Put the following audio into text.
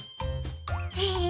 へえ。